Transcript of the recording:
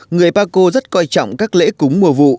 người paco rất coi trọng các lễ cúng mùa vụ